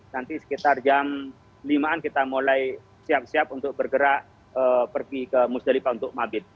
nanti sekitar jam lima an kita mulai siap siap untuk bergerak pergi ke musdalifah untuk mabit